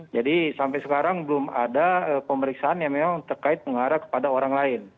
jadi sampai sekarang belum ada pemeriksaan yang memang terkait mengarah kepada orang lain